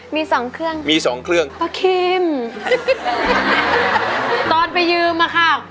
มีสองเครื่องมีสองเครื่องป้าคิมตอนไปยืมอะค่ะ